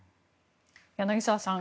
柳澤さん